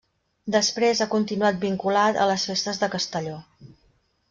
Després ha continuat vinculat a les festes de Castelló.